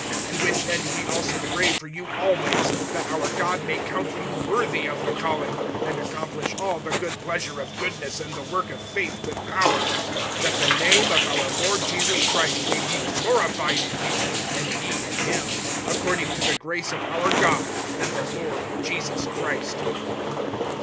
(11)To which end we also pray for you always, that our God may count you worthy of the calling, and accomplish all the good pleasure of goodness and the work of faith, with power; (12)that the name of our Lord Jesus Christ may be glorified in you, and ye in him, according to the grace of our God and the Lord Jesus Christ.